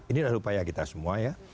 ini adalah upaya kita semua ya